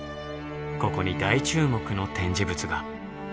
ここに大注目の展示物が。